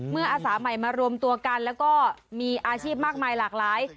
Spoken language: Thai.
อาสาใหม่มารวมตัวกันแล้วก็มีอาชีพมากมายหลากหลาย